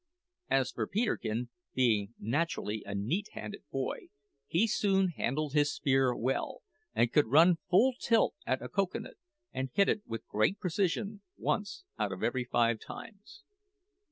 As for Peterkin, being naturally a neat handed boy, he soon handled his spear well, and could run full tilt at a cocoa nut, and hit it with great precision once out of every five times.